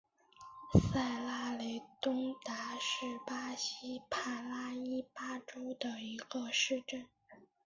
塞拉雷东达是巴西帕拉伊巴州的一个市镇。